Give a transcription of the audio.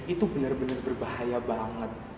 itu bener bener berbahaya banget